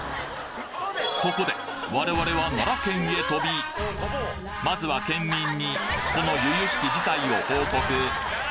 そこで我々は奈良県へとびまずは県民にこの由々しき事態を報告